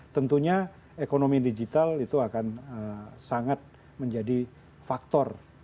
tentunya ekonomi digital itu akan sangat menjadi faktor